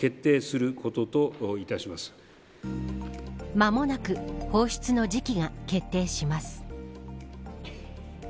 間もなく放出の時期が決定します。